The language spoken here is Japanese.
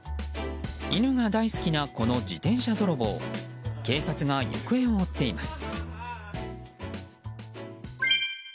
犬が大好きなこの自転車泥棒警察が行方を追っています。